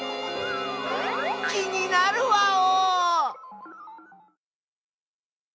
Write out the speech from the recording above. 気になるワオ！